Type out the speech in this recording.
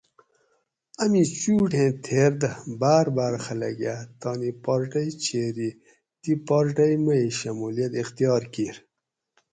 امی چُوٹ ایں تھیر دہ باۤر باۤر خلک اۤ تانی پارٹئ چھیری دی پارٹئ مئ شمولیت اختیار کِیر